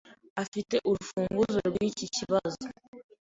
Afite urufunguzo rwiki kibazo.